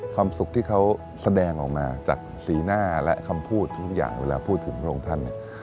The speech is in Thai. ความสุขที่เขาแสดงออกมาจากสีหน้าและคำพูดทุกอย่างเวลาพูดถึงพระองค์ท่านเนี่ย